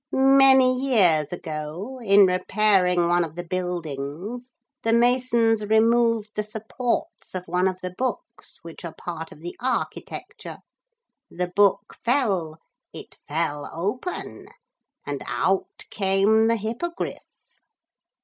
Many years ago, in repairing one of the buildings, the masons removed the supports of one of the books which are part of the architecture. The book fell. It fell open, and out came the Hippogriff.